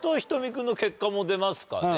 君の結果も出ますかね。